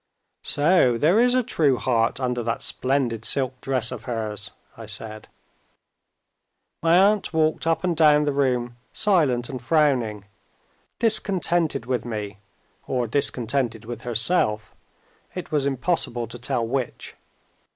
"So there is a true heart under that splendid silk dress of hers?" I said. My aunt walked up and down the room, silent and frowning discontented with me, or discontented with herself; it was impossible to tell which.